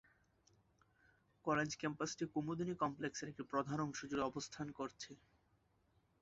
College ক্যাম্পাসটি 'কুমুদিনী কমপ্লেক্স'-এর একটি প্রধান অংশ জুড়ে অবস্থান করছে।